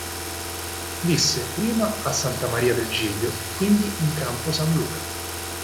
Visse prima a Santa Maria del Giglio, quindi in campo San Luca.